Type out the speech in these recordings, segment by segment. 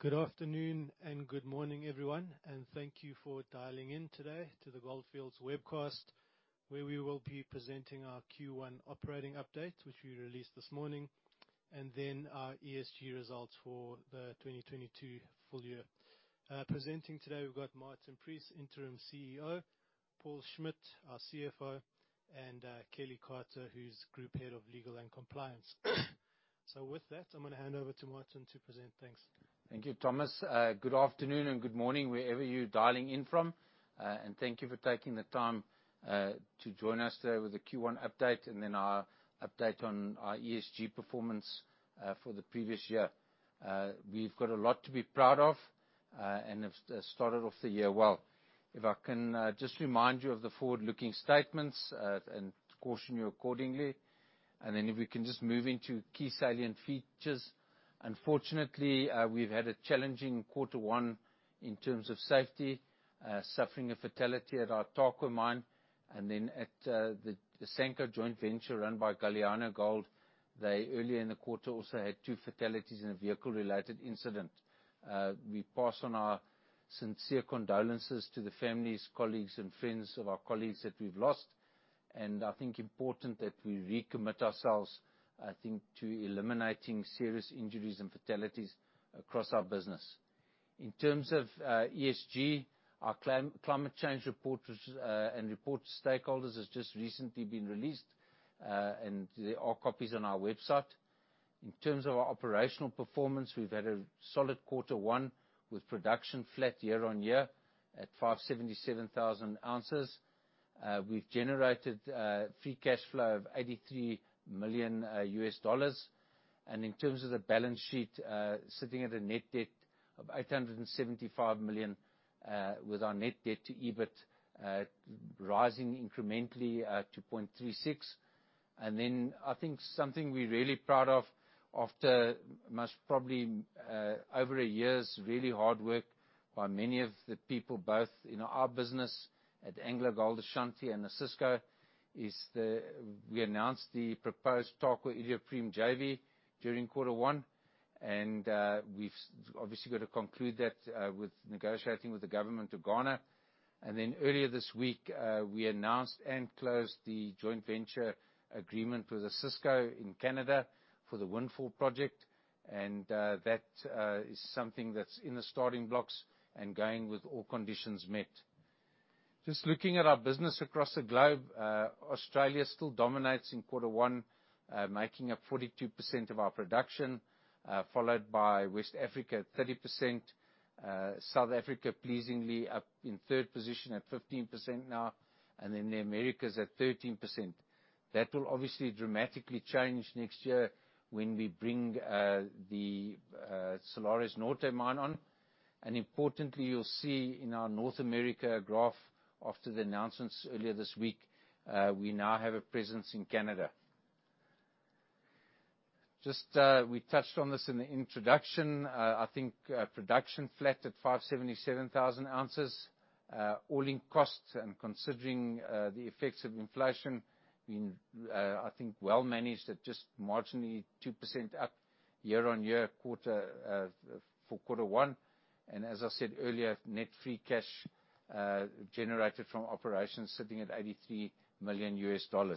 Good afternoon and good morning, everyone, and thank you for dialing in today to the Gold Fields webcast, where we will be presenting our Q1 operating update, which we released this morning, and then our ESG results for the 2022 full year. Presenting today, we've got Martin Preece, Interim CEO, Paul Schmidt, our CFO, and Kelly Carter, who's Group Head of Legal and Compliance. With that, I'm gonna hand over to Martin to present. Thanks. Thank you, Thomas. Good afternoon and good morning, wherever you're dialing in from. Thank you for taking the time to join us today with the Q1 update and then our update on our ESG performance for the previous year. We've got a lot to be proud of and have started off the year well. If I can just remind you of the forward-looking statements and caution you accordingly. If we can just move into key salient features. Unfortunately, we've had a challenging quarter one in terms of safety, suffering a fatality at our Tarkwa mine. At the Asanko joint venture run by Galiano Gold, they earlier in the quarter also had two fatalities in a vehicle-related incident. We pass on our sincere condolences to the families, colleagues, and friends of our colleagues that we've lost. I think important that we recommit ourselves, I think, to eliminating serious injuries and fatalities across our business. In terms of ESG, our climate change report was and report to stakeholders has just recently been released, and there are copies on our website. In terms of our operational performance, we've had a solid quarter one with production flat year-on-year at 577,000 ounces. We've generated free cash flow of $83 million. In terms of the balance sheet, sitting at a net debt of $875 million, with our net debt to EBITDA rising incrementally to 0.36. I think something we're really proud of after most probably, over a year's really hard work by many of the people, both in our business at AngloGold Ashanti and Osisko, we announced the proposed Tarkwa-Iduapriem JV during quarter one, and we've obviously got to conclude that with negotiating with the government of Ghana. Earlier this week, we announced and closed the joint venture agreement with Osisko in Canada for the Windfall project. That is something that's in the starting blocks and going with all conditions met. Just looking at our business across the globe, Australia still dominates in quarter one, making up 42% of our production, followed by West Africa at 30%. South Africa pleasingly up in third position at 15% now, and then the Americas at 13%. That will obviously dramatically change next year when we bring the Salares Norte mine on. Importantly, you'll see in our North America graph after the announcements earlier this week, we now have a presence in Canada. Just, we touched on this in the introduction. I think production flat at 577,000 ounces. All-in costs and considering the effects of inflation being, I think, well managed at just marginally 2% up year-on-year for quarter one. As I said earlier, net free cash generated from operations sitting at $83 million. I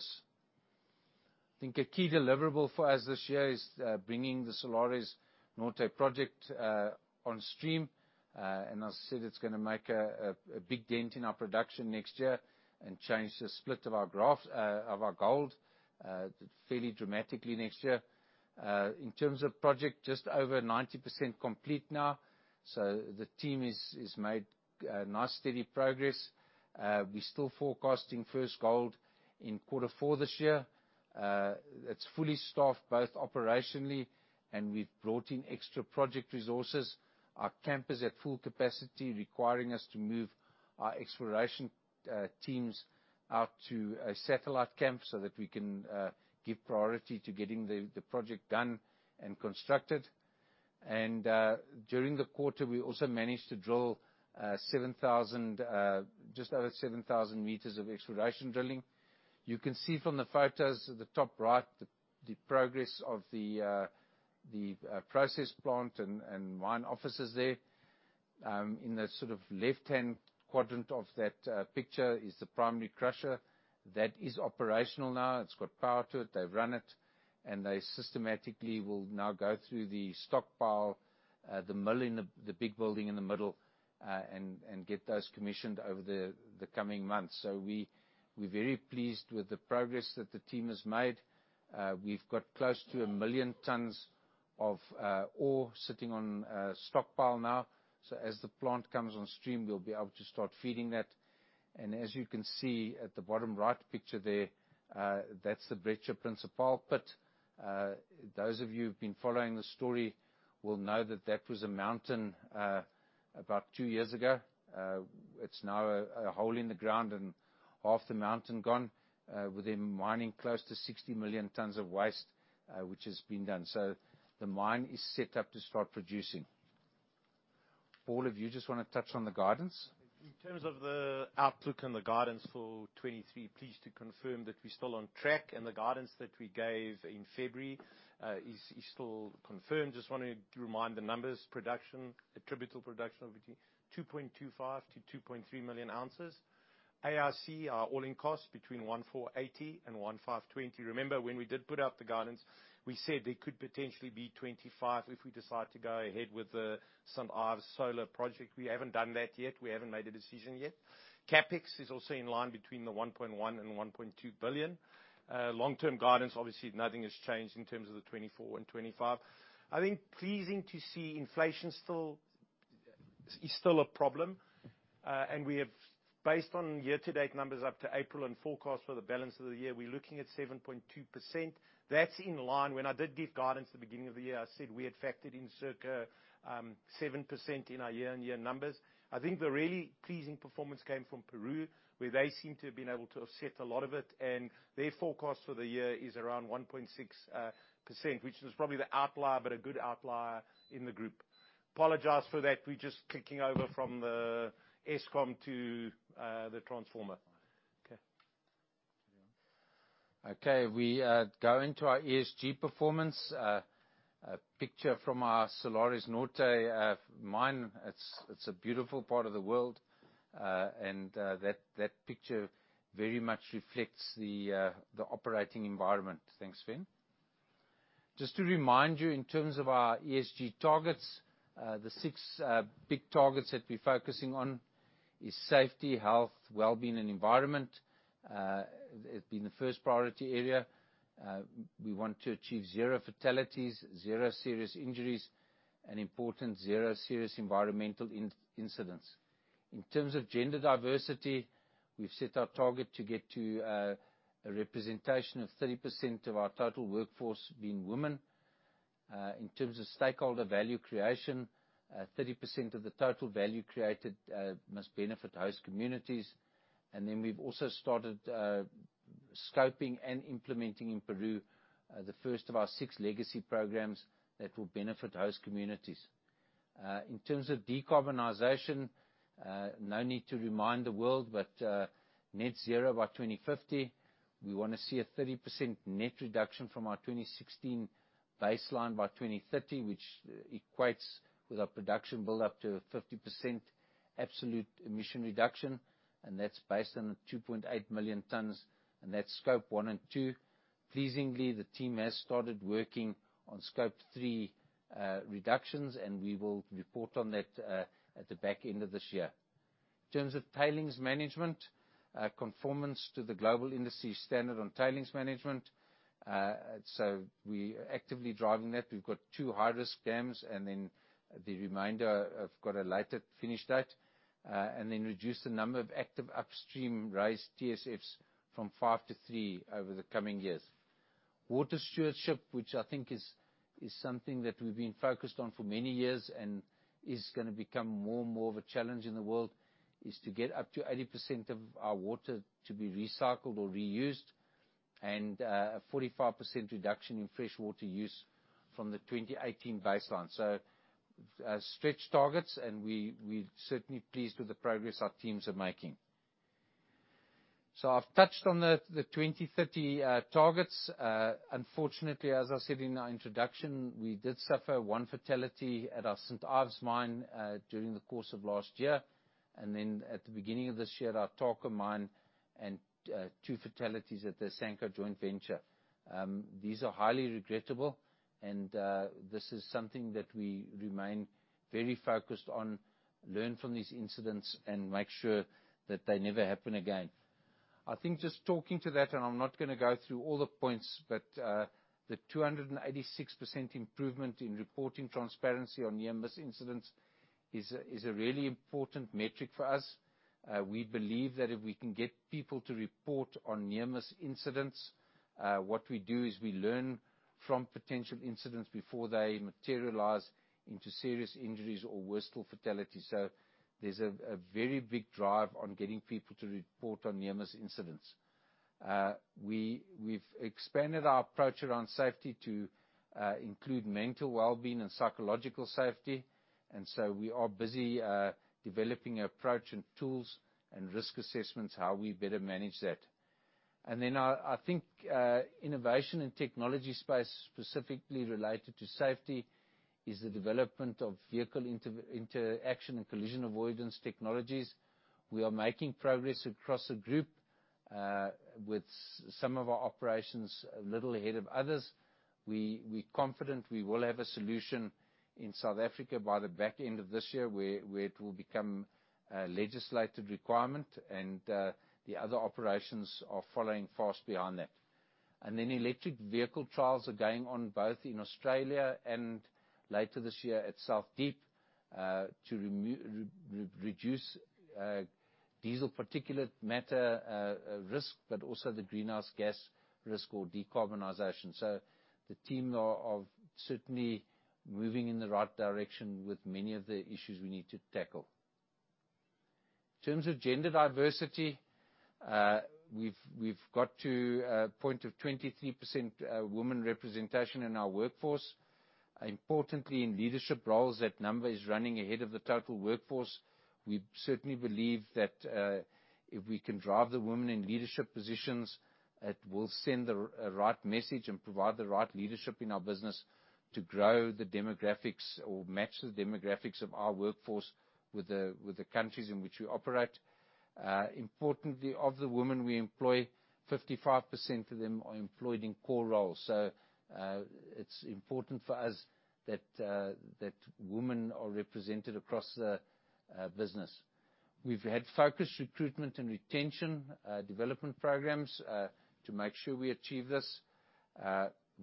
think a key deliverable for us this year is bringing the Salares Norte project on stream. As I said, it's gonna make a big dent in our production next year and change the split of our gold fairly dramatically next year. In terms of project, just over 90% complete now, so the team has made nice, steady progress. We're still forecasting first gold in quarter four this year. It's fully staffed both operationally, and we've brought in extra project resources. Our camp is at full capacity, requiring us to move our exploration teams out to a satellite camp so that we can give priority to getting the project done and constructed. During the quarter, we also managed to drill 7,000, just over 7,000 meters of exploration drilling. You can see from the photos at the top right the progress of the process plant and mine offices there. In the sort of left-hand quadrant of that picture is the primary crusher. That is operational now. It's got power to it. They've run it, and they systematically will now go through the stockpile, the mill in the big building in the middle, and get those commissioned over the coming months. We're very pleased with the progress that the team has made. We've got close to 1 million tons of ore sitting on stockpile now, so as the plant comes on stream, we'll be able to start feeding that. As you can see at the bottom right picture there, that's the Brecha Principal pit. Those of you who've been following the story will know that that was a mountain, about two years ago. It's now a hole in the ground and half the mountain gone, with them mining close to 60 million tons of waste, which has been done. The mine is set up to start producing. All of you just wanna touch on the guidance. In terms of the outlook and the guidance for 2023, pleased to confirm that we're still on track, and the guidance that we gave in February is still confirmed. Just wanted to remind the numbers production, attributable production of between 2.25 million-2.3 million ounces. AIC, our All-In Sustaining Cost between $1,480 and $1,520. Remember when we did put out the guidance, we said there could potentially be $25 if we decide to go ahead with the St. Ives solar project. We haven't done that yet. We haven't made a decision yet. CapEx is also in line between $1.1 billion and $1.2 billion. Long-term guidance, obviously, nothing has changed in terms of the 2024 and 2025. I think pleasing to see inflation still, is still a problem. We have based on year-to-date numbers up to April and forecast for the balance of the year, we're looking at 7.2%. That's in line. When I did give guidance at the beginning of the year, I said we had factored in circa 7% in our year-on-year numbers. I think the really pleasing performance came from Peru, where they seem to have been able to offset a lot of it, and their forecast for the year is around 1.6%, which is probably the outlier, but a good outlier in the group. Apologize for that. We're just clicking over from the Eskom to the transformer. Okay. Okay. We go into our ESG performance. A picture from our Salares Norte mine. It's a beautiful part of the world. That picture very much reflects the operating environment. Thanks, Finn. Just to remind you, in terms of our ESG targets, the six big targets that we're focusing on is safety, health, well-being and environment. It's been the first priority area. We want to achieve zero fatalities, zero serious injuries, and important, zero serious environmental incidents. In terms of gender diversity, we've set our target to get to a representation of 30% of our total workforce being women. In terms of stakeholder value creation, 30% of the total value created must benefit host communities. We've also started scoping and implementing in Peru, the first of our 6 legacy programs that will benefit host communities. In terms of decarbonization, net zero by 2050. We wanna see a 30% net reduction from our 2016 baseline by 2030, which equates with our production build up to a 50% absolute emission reduction, and that's based on 2.8 million tons, and that's Scope 1 and 2. Pleasingly, the team has started working on Scope 3 reductions, and we will report on that at the back end of this year. In terms of tailings management, conformance to the Global Industry Standard on Tailings Management. We are actively driving that. We've got 2 high-risk dams, the remainder have got a later finish date. Reduce the number of active upstream raised TSFs from 5 to 3 over the coming years. Water stewardship, which I think is something that we've been focused on for many years and is gonna become more and more of a challenge in the world, is to get up to 80% of our water to be recycled or reused, and a 45% reduction in fresh water use from the 2018 baseline. Stretch targets, we're certainly pleased with the progress our teams are making. I've touched on the 2030 targets. Unfortunately, as I said in our introduction, we did suffer 1 fatality at our St Ives mine during the course of last year, and then at the beginning of this year, at our Tarkwa mine and 2 fatalities at the Asanko joint venture. These are highly regrettable and this is something that we remain very focused on, learn from these incidents and make sure that they never happen again. I think just talking to that, and I'm not gonna go through all the points, but the 286% improvement in reporting transparency on near-miss incidents is a really important metric for us. We believe that if we can get people to report on near-miss incidents, what we do is we learn from potential incidents before they materialize into serious injuries or worst of all fatalities. There's a very big drive on getting people to report on near-miss incidents. We, we've expanded our approach around safety to include mental well-being and psychological safety. We are busy developing approach and tools and risk assessments, how we better manage that. I think, innovation and technology space, specifically related to safety, is the development of vehicle inter-interaction and collision avoidance technologies. We are making progress across the group, with some of our operations a little ahead of others. We, we confident we will have a solution in South Africa by the back end of this year, where it will become a legislated requirement and the other operations are following fast behind that. Electric vehicle trials are going on both in Australia and later this year at South Deep, to reduce diesel particulate matter, risk, but also the greenhouse gas risk or decarbonization. The team are of certainly moving in the right direction with many of the issues we need to tackle. In terms of gender diversity, we've got to a point of 23% woman representation in our workforce. Importantly, in leadership roles, that number is running ahead of the total workforce. We certainly believe that if we can drive the women in leadership positions, it will send the right message and provide the right leadership in our business to grow the demographics or match the demographics of our workforce with the countries in which we operate. Importantly, of the women we employ, 55% of them are employed in core roles. It's important for us that women are represented across the business. We've had focused recruitment and retention, development programs, to make sure we achieve this.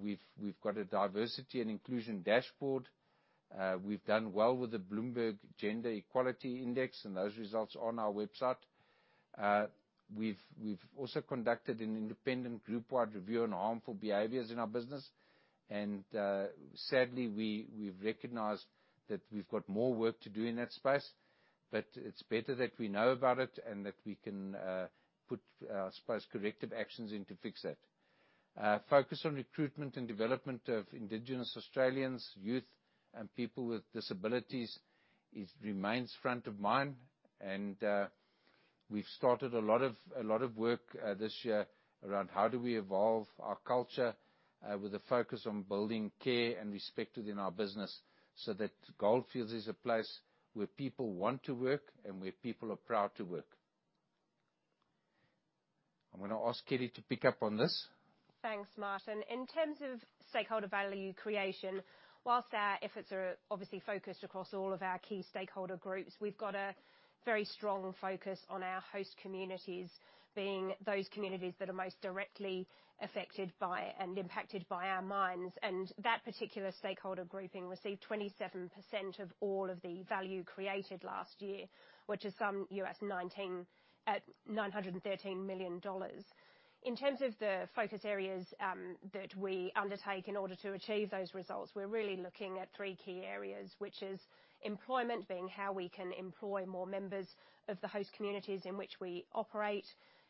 We've, we've got a diversity and inclusion dashboard. We've done well with the Bloomberg Gender-Equality Index and those results are on our website. We've, we've also conducted an independent group-wide review on harmful behaviors in our business, and, sadly, we've recognized that we've got more work to do in that space. But it's better that we know about it and that we can, put, I suppose, corrective actions in to fix it. Focus on recruitment and development of Indigenous Australians, youth, and people with disabilities remains front of mind. We've started a lot of work, this year around how do we evolve our culture, with a focus on building care and respect within our business so that Gold Fields is a place where people want to work and where people are proud to work. I'm gonna ask Kelly to pick up on this. Thanks, Martin. In terms of stakeholder value creation, whilst our efforts are obviously focused across all of our key stakeholder groups, we've got a very strong focus on our host communities. Being those communities that are most directly affected by and impacted by our mines. That particular stakeholder grouping received 27% of all of the value created last year, which is some U.S. $913 million. In terms of the focus areas that we undertake in order to achieve those results, we're really looking at three key areas, which is employment, being how we can employ more members of the host communities in which we operate,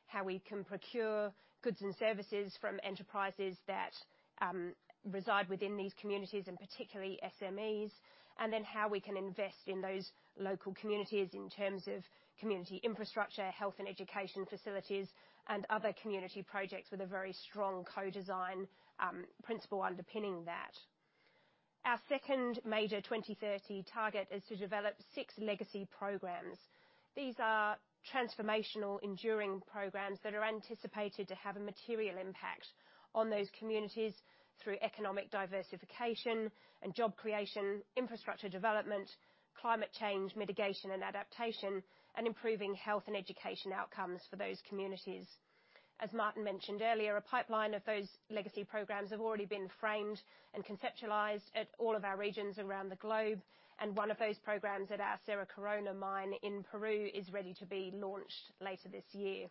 how we can procure goods and services from enterprises that reside within these communities, and particularly SMEs. Then how we can invest in those local communities in terms of community infrastructure, health and education facilities, and other community projects with a very strong co-design principle underpinning that. Our second major 2030 target is to develop 6 legacy programs. These are transformational, enduring programs that are anticipated to have a material impact on those communities through economic diversification and job creation, infrastructure development, climate change mitigation and adaptation, and improving health and education outcomes for those communities. Martin mentioned earlier, a pipeline of those legacy programs have already been framed and conceptualized at all of our regions around the globe, and one of those programs at our Cerro Corona mine in Peru is ready to be launched later this year.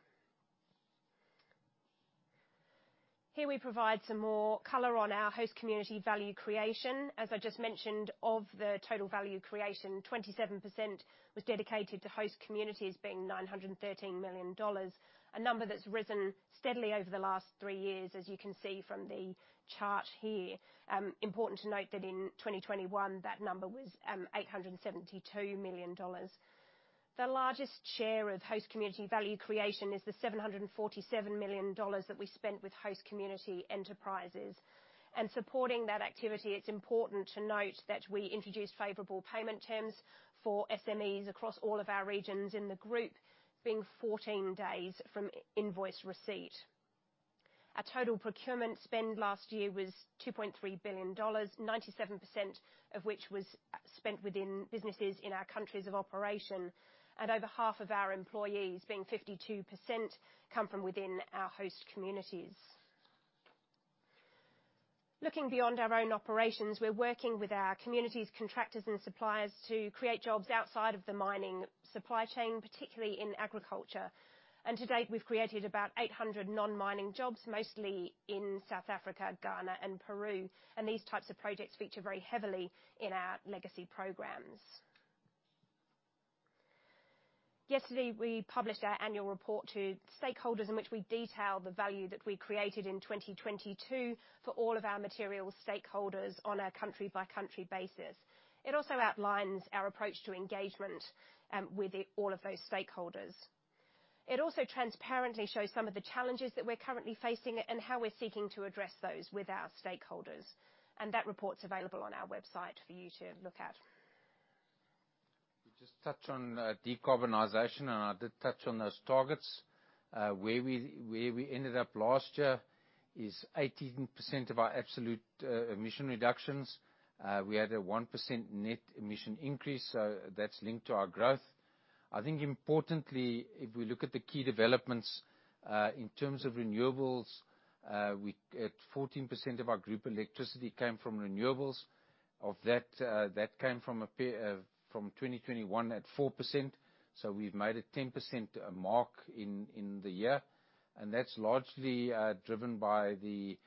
Here we provide some more color on our host community value creation. As I just mentioned, of the total value creation, 27% was dedicated to host communities, being $913 million, a number that's risen steadily over the last 3 years, as you can see from the chart here. Important to note that in 2021, that number was $872 million. The largest share of host community value creation is the $747 million that we spent with host community enterprises. Supporting that activity, it's important to note that we introduced favorable payment terms for SMEs across all of our regions in the group, being 14 days from i-invoice receipt. Our total procurement spend last year was $2.3 billion, 97% of which was spent within businesses in our countries of operation. Over half of our employees, being 52%, come from within our host communities. Looking beyond our own operations, we're working with our communities, contractors, and suppliers to create jobs outside of the mining supply chain, particularly in agriculture. To date, we've created about 800 non-mining jobs, mostly in South Africa, Ghana, and Peru, and these types of projects feature very heavily in our legacy programs. Yesterday, we published our annual report to stakeholders in which we detail the value that we created in 2022 for all of our material stakeholders on a country-by-country basis. It also outlines our approach to engagement with all of those stakeholders. It also transparently shows some of the challenges that we're currently facing and how we're seeking to address those with our stakeholders. That report's available on our website for you to look at. Just touch on decarbonization. I did touch on those targets. Where we ended up last year is 18% of our absolute emission reductions. We had a 1% net emission increase, so that's linked to our growth. I think importantly, if we look at the key developments in terms of renewables, 14% of our group electricity came from renewables. Of that came from 2021 at 4%, so we've made a 10% mark in the year. That's largely driven by the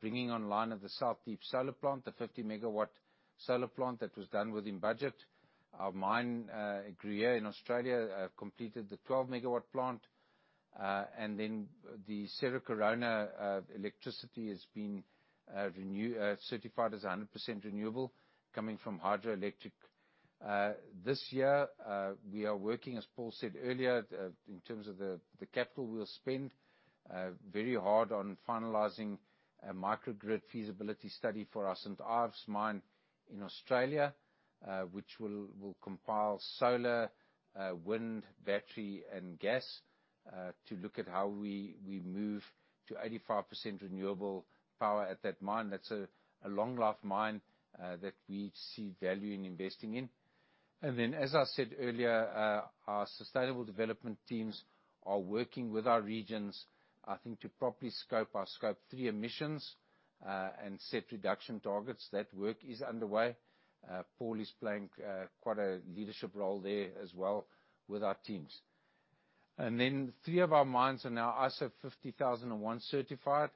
bringing online of the South Deep solar plant, the 50 megawatt solar plant that was done within budget. Our mine at Gruyere in Australia completed the 12 megawatt plant. The Cerro Corona electricity is being certified as 100% renewable coming from hydroelectric. This year, we are working, as Paul said earlier, in terms of the capital we'll spend, very hard on finalizing a microgrid feasibility study for our St Ives mine in Australia, which will compile solar, wind, battery and gas, to look at how we move to 85% renewable power at that mine. That's a long life mine that we see value in investing in. As I said earlier, our sustainable development teams are working with our regions, I think, to properly scope our Scope 3 emissions and set reduction targets. That work is underway. Paul is playing quite a leadership role there as well with our teams. Three of our mines are now ISO 50001 certified,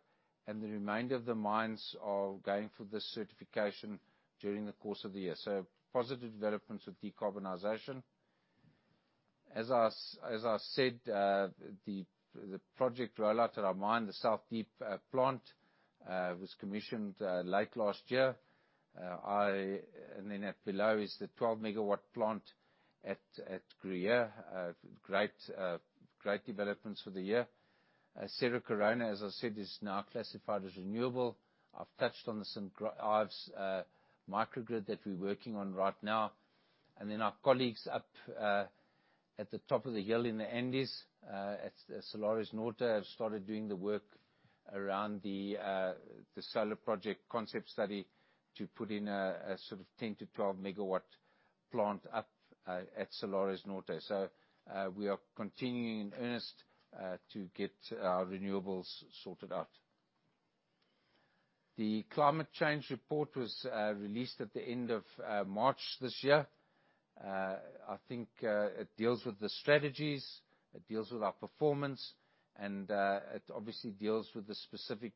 and the remainder of the mines are going for the certification during the course of the year. Positive developments with decarbonization. As I said, the project rollout at our mine, the South Deep plant was commissioned late last year. And then below is the 12 megawatt plant at Gruyere. Great developments for the year. Cerro Corona, as I said, is now classified as renewable. I've touched on the St Ives microgrid that we're working on right now. Our colleagues up at the top of the hill in the Andes, at Salares Norte have started doing the work around the solar project concept study to put in a sort of 10-12 megawatt plant up at Salares Norte. We are continuing in earnest to get our renewables sorted out. The climate change report was released at the end of March this year. I think it deals with the strategies, it deals with our performance, and it obviously deals with the specific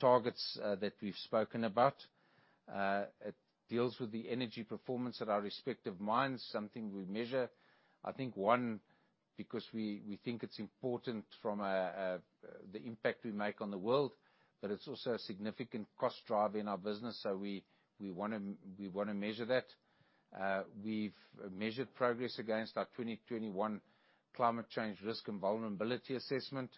targets that we've spoken about. It deals with the energy performance at our respective mines, something we measure. I think, one, because we think it's important from the impact we make on the world, but it's also a significant cost driver in our business, so we wanna measure that. We've measured progress against our 2021 climate change risk and vulnerability assessment.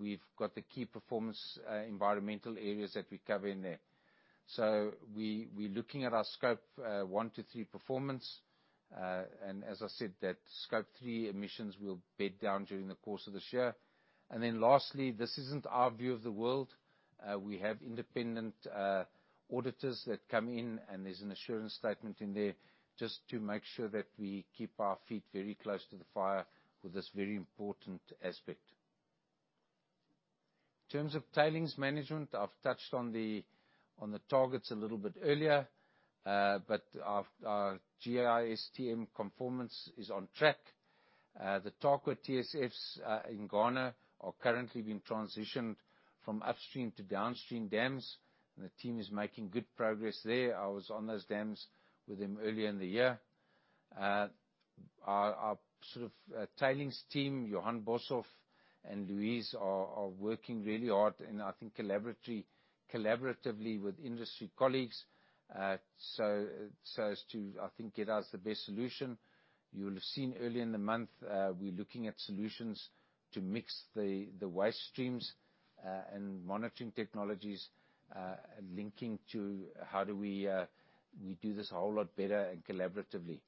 We've got the key performance environmental areas that we cover in there. We're looking at our Scope 1 to 3 performance. As I said, that Scope 3 emissions will bed down during the course of this year. Lastly, this isn't our view of the world. We have independent auditors that come in, and there's an assurance statement in there just to make sure that we keep our feet very close to the fire with this very important aspect. In terms of tailings management, I've touched on the targets a little bit earlier. Our GISTM conformance is on track. The Tarkwa TSFs in Ghana are currently being transitioned from upstream to downstream dams. The team is making good progress there. I was on those dams with them earlier in the year. Our sort of tailings team, Johan Boshoff and Luis, are working really hard collaboratively with industry colleagues so as to, I think, get us the best solution. You'll have seen earlier in the month, we're looking at solutions to mix the waste streams and monitoring technologies linking to how do we do this a whole lot better and collaboratively.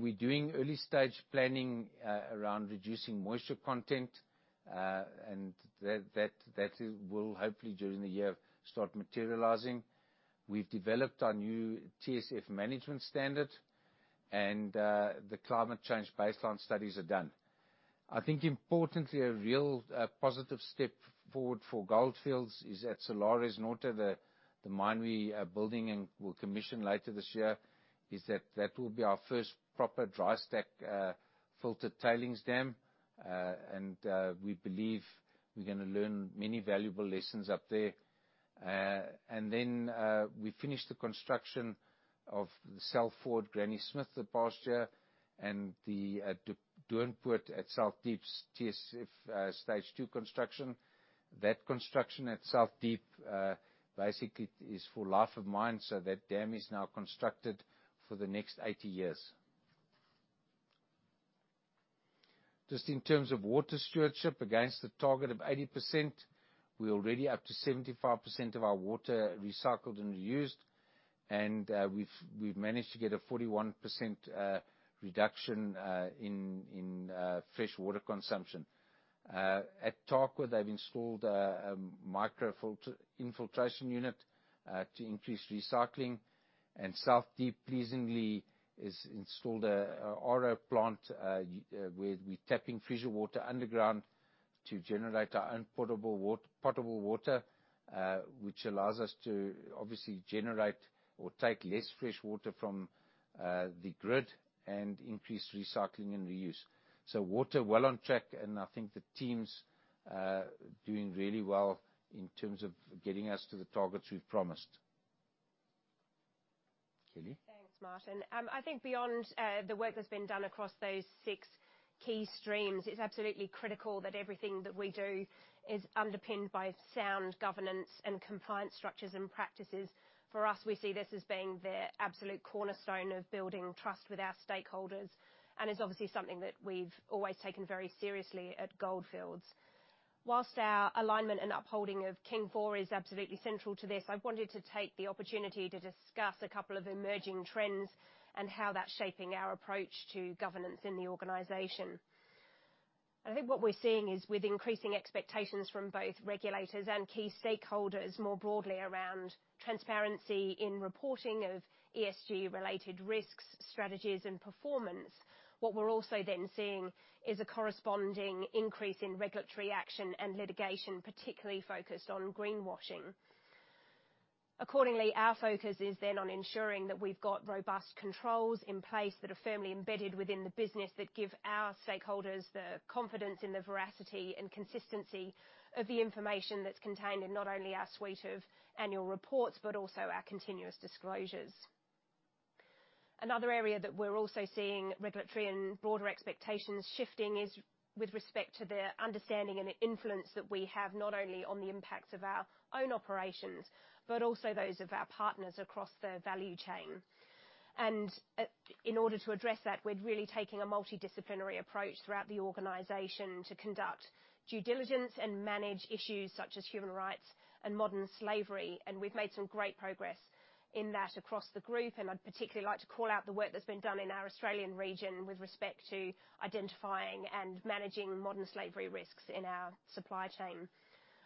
We're doing early stage planning around reducing moisture content, that will hopefully during the year start materializing. We've developed our new TSF management standard, the climate change baseline studies are done. I think importantly, a real positive step forward for Gold Fields is at Salares Norte, the mine we are building and will commission later this year, is that will be our first proper dry stack filter tailings dam. We believe we're gonna learn many valuable lessons up there. We finished the construction of the South [Flank] the past year and the Doornpoort at South Deep's TSF stage two construction. That construction at South Deep basically is for life of mine, that dam is now constructed for the next 80 years. Just in terms of water stewardship, against the target of 80%, we're already up to 75% of our water recycled and reused. We've managed to get a 41% reduction in fresh water consumption. At Tarkwa, they've installed a microfilter infiltration unit to increase recycling. South Deep, pleasingly, has installed a RO plant where we're tapping fresh water underground to generate our own potable water, which allows us to obviously generate or take less fresh water from the grid and increase recycling and reuse. Water, well on track. I think the team's doing really well in terms of getting us to the targets we've promised. Kelly. Thanks, Martin. I think beyond the work that's been done across those 6 key streams, it's absolutely critical that everything that we do is underpinned by sound governance and compliance structures and practices. For us, we see this as being the absolute cornerstone of building trust with our stakeholders, and it's obviously something that we've always taken very seriously at Gold Fields. Whilst our alignment and upholding of King IV is absolutely central to this, I wanted to take the opportunity to discuss a couple of emerging trends and how that's shaping our approach to governance in the organization. I think what we're seeing is, with increasing expectations from both regulators and key stakeholders more broadly around transparency in reporting of ESG-related risks, strategies, and performance, what we're also then seeing is a corresponding increase in regulatory action and litigation, particularly focused on greenwashing. Accordingly, our focus is then on ensuring that we've got robust controls in place that are firmly embedded within the business that give our stakeholders the confidence in the veracity and consistency of the information that's contained in not only our suite of annual reports, but also our continuous disclosures. Another area that we're also seeing regulatory and broader expectations shifting is with respect to the understanding and the influence that we have, not only on the impacts of our own operations, but also those of our partners across the value chain. In order to address that, we're really taking a multidisciplinary approach throughout the organization to conduct due diligence and manage issues such as human rights and modern slavery. We've made some great progress in that across the group, and I'd particularly like to call out the work that's been done in our Australian region with respect to identifying and managing modern slavery risks in our supply chain.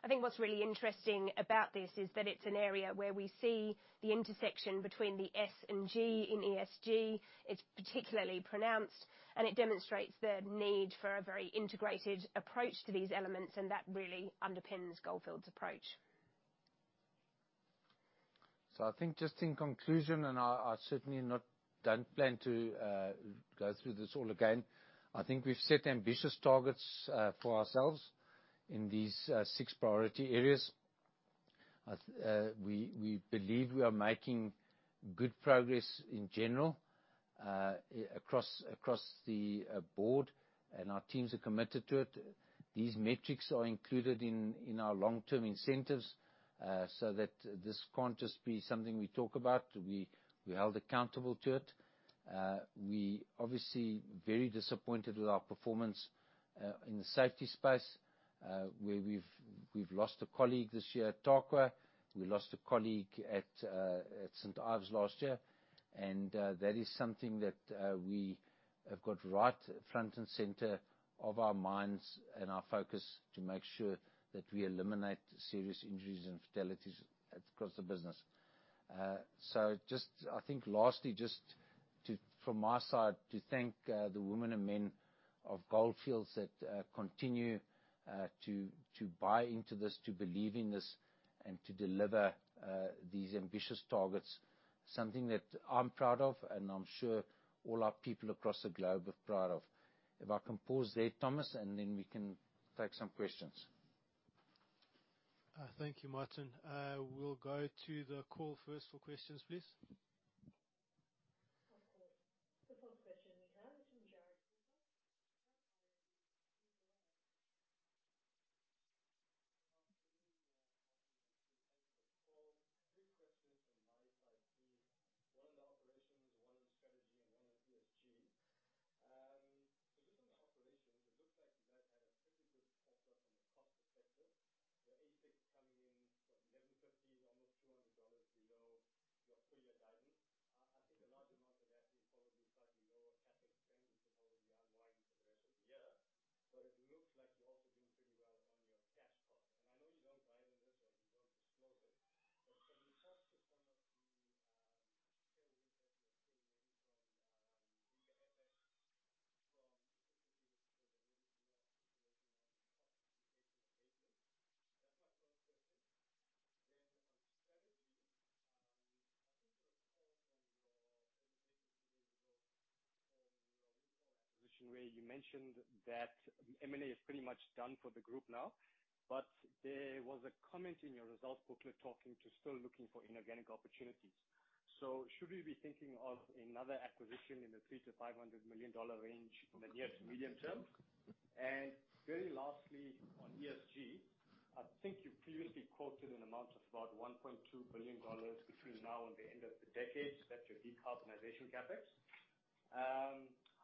I think what's really interesting about this is that it's an area where we see the intersection between the S and G in ESG. It's particularly pronounced, and it demonstrates the need for a very integrated approach to these elements, and that really underpins Gold Fields' approach. I think just in conclusion, I certainly don't plan to go through this all again, I think we've set ambitious targets for ourselves in these six priority areas. We believe we are making good progress in general, across the board, and our teams are committed to it. These metrics are included in our long-term incentives, so that this can't just be something we talk about. We're held accountable to it. We obviously very disappointed with our performance in the safety space, where we've lost a colleague this year at Tarkwa. We lost a colleague at St. Ives last year. That is something that we have got right front and center of our minds and our focus to make sure that we eliminate serious injuries and fatalities across the business. So just I think lastly, from my side, to thank the women and men of Gold Fields that continue to buy into this, to believe in this, and to deliver these ambitious targets. Something that I'm proud of, and I'm sure all our people across the globe are proud of. If I can pause there, Thomas, then we can take some questions. Thank you, Martin. We'll go to the call first for questions, please. Of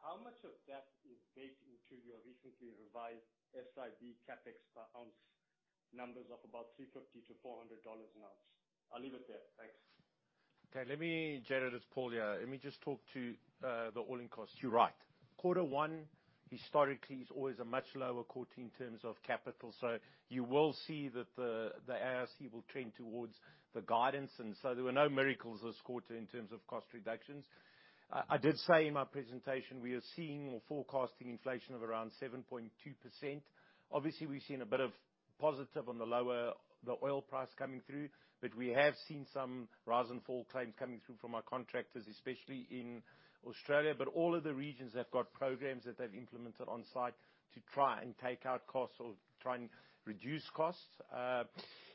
How much of that is baked into your recently revised SIB CapEx per ounce numbers of about $350-$400 an ounce? I'll leave it there. Thank you. Okay, let me, Jared, it's Paul here. Let me just talk to the all-in cost. You're right. Quarter one historically is always a much lower quarter in terms of capital. You will see that the AIC will trend towards the guidance. There were no miracles this quarter in terms of cost reductions. I did say in my presentation we are seeing or forecasting inflation of around 7.2%. Obviously, we've seen a bit of positive on the lower, the oil price coming through, but we have seen some rise and fall claims coming through from our contractors, especially in Australia. All of the regions have got programs that they've implemented on site to try and take out costs or try and reduce costs.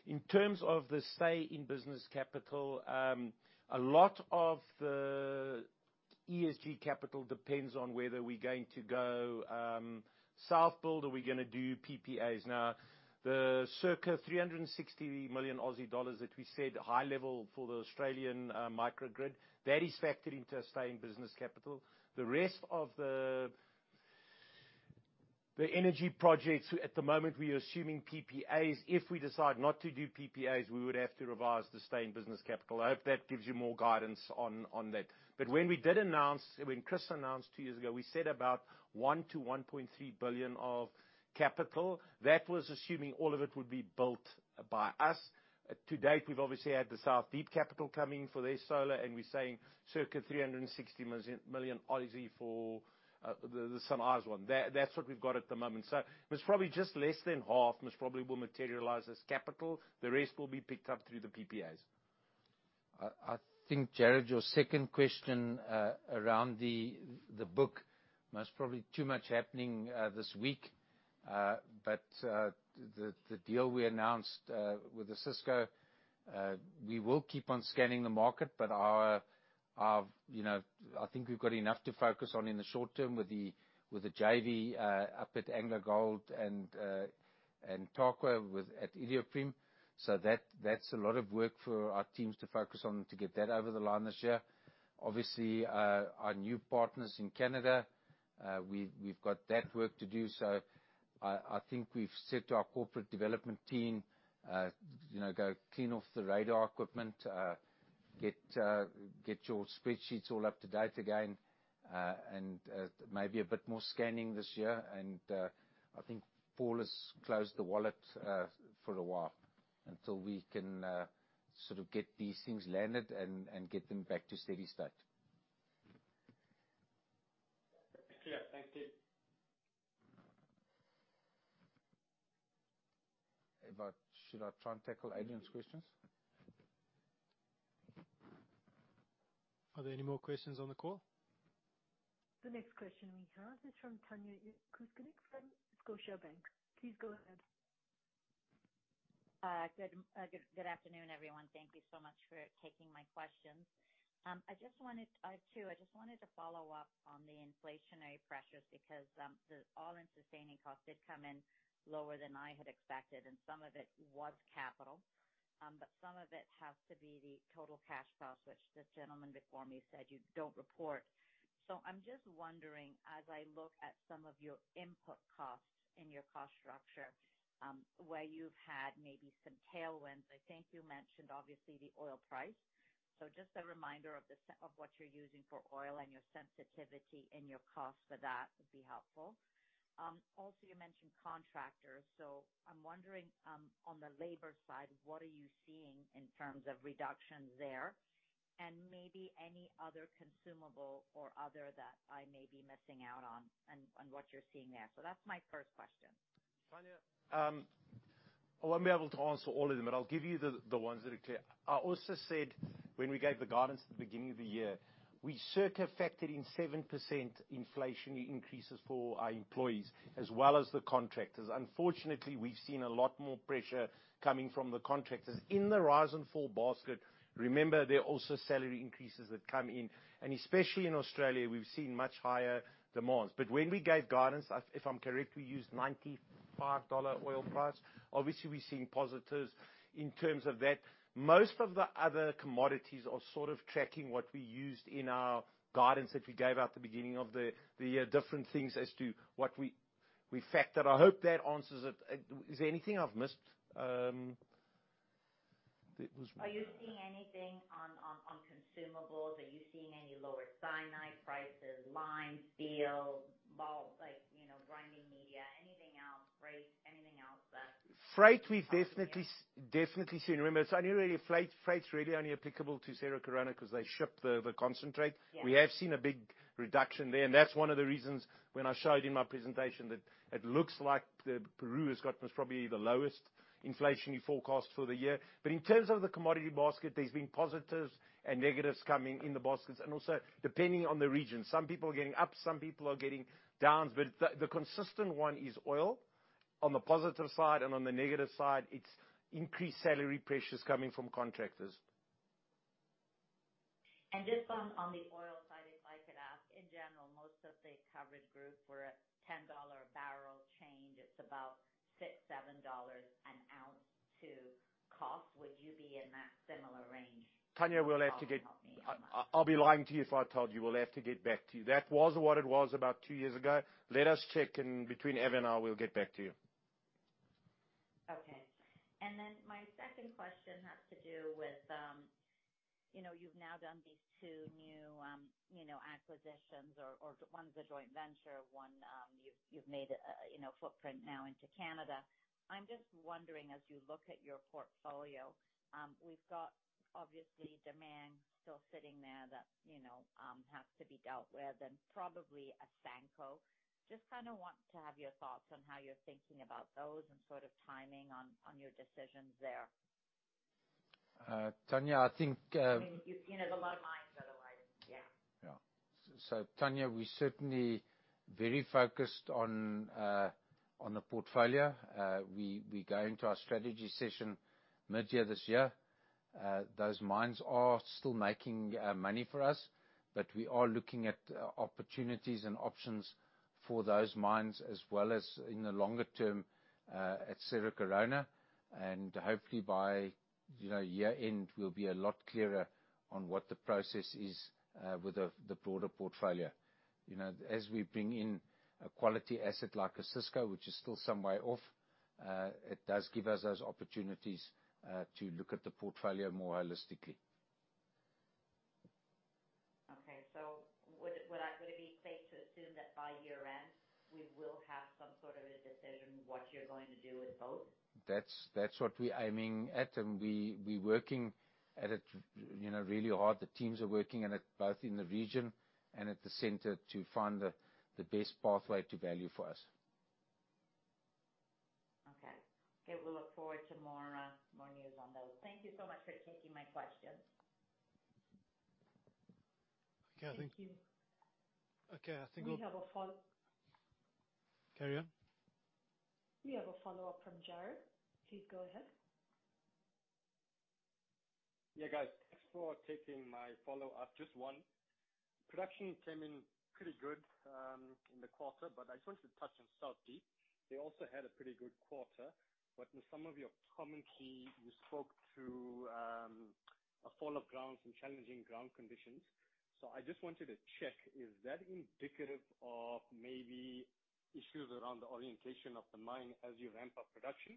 In terms of the stay in business capital, a lot of the ESG capital depends on whether we're going to go self-build or we're gonna do PPAs. Now, the circa 360 million Aussie dollars that we said high level for the Australian microgrid, that is factored into our stay in business capital. The rest of the energy projects, at the moment, we are assuming PPAs. If we decide not to do PPAs, we would have to revise the stay in business capital. I hope that gives you more guidance on that. When we did announce, when Chris announced two years ago, we said about $1 billion-$1.3 billion of capital. That was assuming all of it would be built by us. To date, we've obviously had the South Deep capital coming in for their solar, and we're saying circa 360 million for the St Ives one. That's what we've got at the moment. It's probably just less than half most probably will materialize as capital. The rest will be picked up through the PPAs. I think, Jared, your second question, around the book, most probably too much happening this week. The deal we announced with Osisko, we will keep on scanning the market, but our, you know, I think we've got enough to focus on in the short term with the JV up at AngloGold Ashanti and Tarkwa with Iduapriem. That's a lot of work for our teams to focus on to get that over the line this year. Obviously, our new partners in Canada, we've got that work to do. I think we've said to our corporate development team, you know, go clean off the radar equipment, get your spreadsheets all up to date again, and maybe a bit more scanning this year. I think Paul has closed the wallet for a while until we can sort of get these things landed and get them back to steady state. Clear. Thank you. Should I try and tackle Jared's questions? Are there any more questions on the call? The next question we have is from Tanya Jakusconek from Scotiabank. Please go ahead. Good afternoon, everyone. Thank you so much for taking my questions. I just wanted to follow up on the inflationary pressures because the All-In Sustaining Cost did come in lower than I had expected, and some of it was capital, but some of it has to be the total cash cost, which the gentleman before me said you don't report. I'm just wondering, as I look at some of your input costs in your cost structure, where you've had maybe some tailwinds, I think you mentioned obviously the oil price. just a reminder of what you're using for oil and your sensitivity and your cost for that would be helpful. Also, you mentioned contractors. I'm wondering, on the labor side, what are you seeing in terms of reductions there? Maybe any other consumable or other that I may be missing out on and what you're seeing there. That's my first question. Tanya, I won't be able to answer all of them, but I'll give you the ones that are clear. I also said when we gave the guidance at the beginning of the year, we circa factored in 7% inflation increases for our employees as well as the contractors. Unfortunately, we've seen a lot more pressure coming from the contractors. In the rise and fall basket, remember, there are also salary increases that come in. Especially in Australia, we've seen much higher demands. When we gave guidance, if I'm correct, we used $95 oil price. Obviously, we're seeing positives in terms of that. Most of the other commodities are sort of tracking what we used in our guidance that we gave out at the beginning of the year, different things as to what we factored. I hope that answers it. Is there anything I've missed? There was one- Are you seeing anything on consumables? Are you seeing any lower cyanide prices, lime, steel, like, you know, grinding media, anything else, freight, anything else? Freight, we've definitely seen. Remember, it's only really freight's really only applicable to Cerro Corona 'cause they ship the concentrate. Yeah. We have seen a big reduction there. That's one of the reasons when I showed in my presentation that it looks like Peru has got most probably the lowest inflationary forecast for the year. In terms of the commodity basket, there's been positives and negatives coming in the baskets, and also depending on the region. Some people are getting ups, some people are getting downs, but the consistent one is oil on the positive side, and on the negative side, it's increased salary pressures coming from contractors. Just on the oil side, if I could ask. In general, most of the coverage group for a $10 barrel change, it's about $6, $7 an ounce to cost. Would you be in that similar range? Tanya, we'll have to get... Can you not maybe as much. I'll be lying to you if I told you. We'll have to get back to you. That was what it was about 2 years ago. Let us check and between Evan and I, we'll get back to you. My second question has to do with, you know, you've now done these two new, you know, acquisitions or, one's a joint venture, one, you've made a, you know, footprint now into Canada. I'm just wondering, as you look at your portfolio, we've got obviously demand still sitting there that, you know, has to be dealt with and probably Asanko. Just kinda want to have your thoughts on how you're thinking about those and sort of timing on your decisions there? Tanya, I think. I mean, you've seen as a lot of mines otherwise. Yeah. Tanya, we certainly very focused on the portfolio. We go into our strategy session mid-year this year. Those mines are still making money for us, but we are looking at opportunities and options for those mines as well as in the longer term at Cerro Corona. Hopefully by, you know, year-end, we'll be a lot clearer on what the process is with the broader portfolio. You know, as we bring in a quality asset like Osisko, which is still some way off, it does give us those opportunities to look at the portfolio more holistically. Would it be safe to assume that by year-end, we will have some sort of a decision what you're going to do with both? That's what we're aiming at, and we're working at it, you know, really hard. The teams are working at it, both in the region and at the center to find the best pathway to value for us. Okay, we'll look forward to more news on those. Thank you so much for taking my questions. Okay. Thank you. Okay. We have a. Carry on. We have a follow-up from Jared. Please go ahead. Yeah, guys. Thanks for taking my follow-up. Just one. Production came in pretty good in the quarter, but I just wanted to touch on South Deep. They also had a pretty good quarter. In some of your commentary, you spoke to a fall of ground, some challenging ground conditions. I just wanted to check, is that indicative of maybe issues around the orientation of the mine as you ramp up production?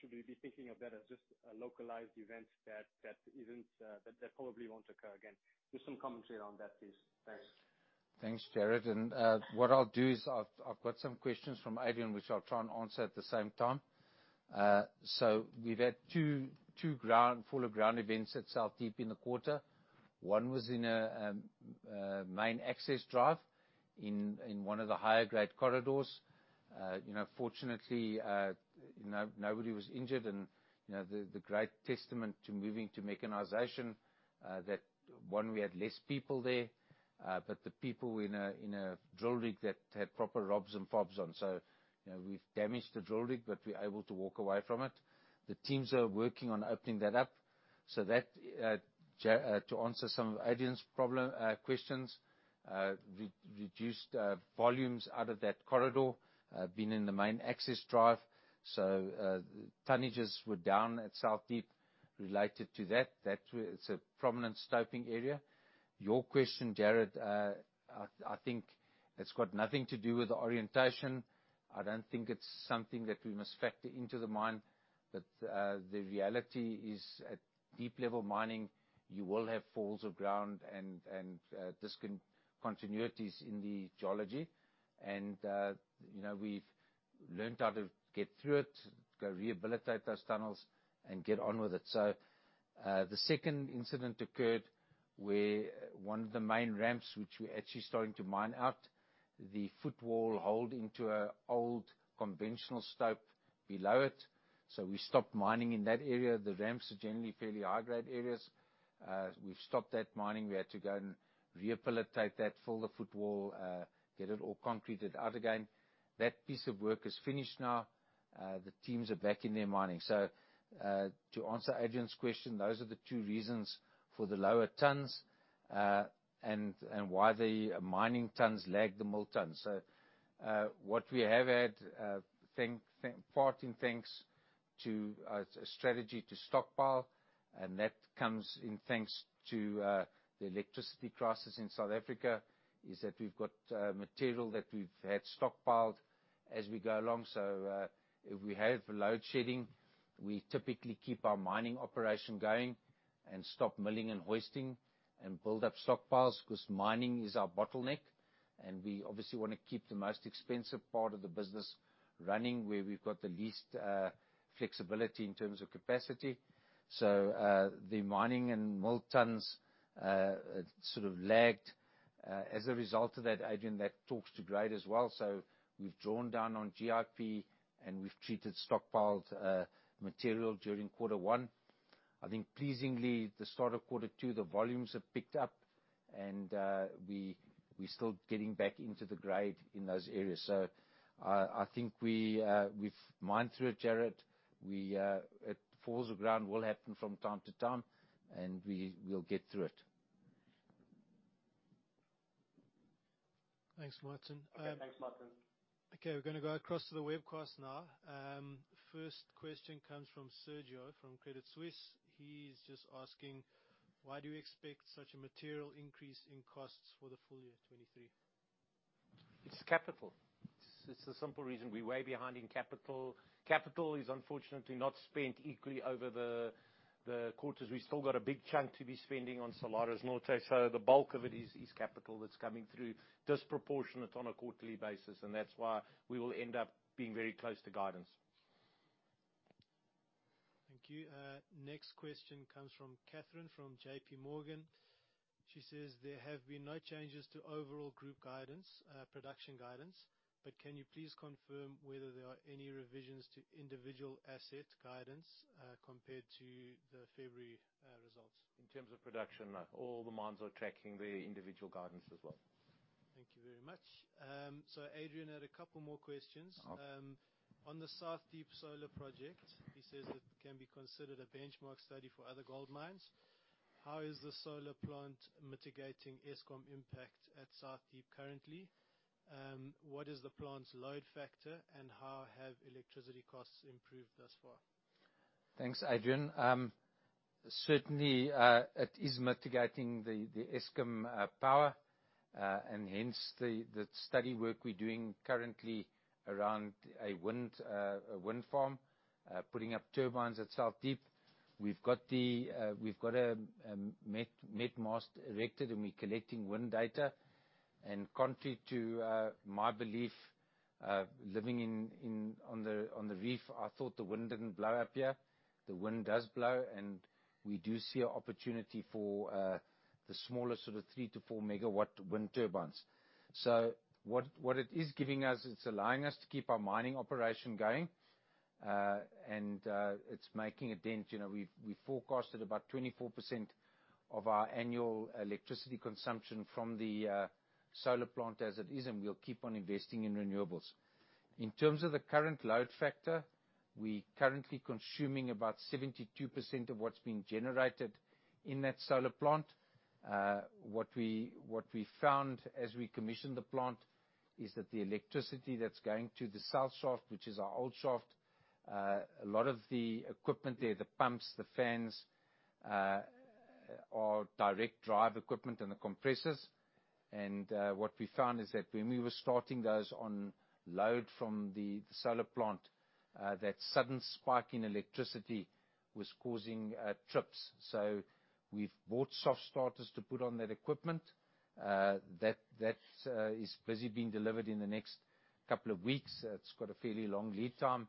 Should we be thinking of that as just a localized event that isn't, that probably won't occur again? Just some commentary on that, please. Thanks. What I'll do is I've got some questions from Adrian, which I'll try and answer at the same time. We've had 2 fall of ground events at South Deep in the quarter. One was in a main access drive in one of the higher grade corridors. You know, fortunately, nobody was injured and, you know, the great testament to moving to mechanization, that one, we had less people there, but the people in a drill rig that had proper ROPS and FOPS on. You know, we've damaged the drill rig, but we're able to walk away from it. The teams are working on opening that up. That, to answer some of Adrian's questions, reduced volumes out of that corridor, been in the main access drive. Tonnages were down at South Deep related to that. That's where it's a prominent stoping area. Your question, Jared, I think it's got nothing to do with the orientation. I don't think it's something that we must factor into the mine. The reality is, at deep level mining, you will have falls of ground and continuities in the geology. You know, we've learned how to get through it, go rehabilitate those tunnels, and get on with it. The second incident occurred where one of the main ramps, which we're actually starting to mine out, the footwall hold into an old conventional stope below it. We stopped mining in that area. The ramps are generally fairly high-grade areas. We've stopped that mining. We had to go and rehabilitate that, fill the footwall, get it all concreted out again. That piece of work is finished now. The teams are back in there mining. To answer Adrian's question, those are the two reasons for the lower tonnes, and why the mining tonnes lag the mill tonnes. What we have had, part in thanks to a strategy to stockpile, and that comes in thanks to the electricity crisis in South Africa, is that we've got material that we've had stockpiled as we go along. If we have load shedding, we typically keep our mining operation going and stop milling and hoisting and build up stockpiles, 'cause mining is our bottleneck, and we obviously wanna keep the most expensive part of the business running, where we've got the least flexibility in terms of capacity. The mining and mill tons sort of lagged as a result of that, Adrian, that talks to grade as well. We've drawn down on GIP and we've treated stockpiled material during quarter one. I think pleasingly, the start of quarter two, the volumes have picked up and we're still getting back into the grade in those areas. I think we've mined through it, Jared. We, falls of ground will happen from time to time, and we'll get through it. Thanks, Martin. Okay. Thanks, Martin. Okay, we're gonna go across to the webcast now. First question comes from Sergio from Credit Suisse. He's just asking, why do you expect such a material increase in costs for the full year 2023? It's capital. It's a simple reason. We're way behind in capital. Capital is unfortunately not spent equally over the quarters. We've still got a big chunk to be spending on Salares Norte, so the bulk of it is capital that's coming through disproportionate on a quarterly basis, and that's why we will end up being very close to guidance. Thank you. Next question comes from Catherine from J.P. Morgan. She says, "There have been no changes to overall group guidance, production guidance, but can you please confirm whether there are any revisions to individual asset guidance, compared to the February results? In terms of production, no. All the mines are tracking their individual guidance as well. Thank you very much. Adrian had a couple more questions. Okay. On the South Deep solar project, he says it can be considered a benchmark study for other gold mines. How is the solar plant mitigating Eskom impact at South Deep currently? What is the plant's load factor, and how have electricity costs improved thus far? Thanks, Adrian. Certainly, it is mitigating the Eskom power. Hence the study work we're doing currently around a wind farm, putting up turbines at South Deep. We've got a met mast erected, and we're collecting wind data. Contrary to my belief, living on the reef, I thought the wind didn't blow up here. The wind does blow, and we do see a opportunity for the smaller sort of 3-4 megawatt wind turbines. What it is giving us, it's allowing us to keep our mining operation going. And it's making a dent. You know, we've forecasted about 24% of our annual electricity consumption from the solar plant as it is, and we'll keep on investing in renewables. In terms of the current load factor, we currently consuming about 72% of what's being generated in that solar plant. What we found as we commissioned the plant is that the electricity that's going to the South shaft, which is our old shaft, a lot of the equipment there, the pumps, the fans, are direct drive equipment and the compressors. What we found is that when we were starting those on load from the solar plant, that sudden spike in electricity was causing trips. We've bought soft starters to put on that equipment. That is busy being delivered in the next couple of weeks. It's got a fairly long lead time.